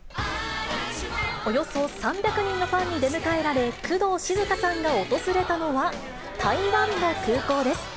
およそ３００人のファンに出迎えられ、工藤静香さんが訪れたのは、台湾の空港です。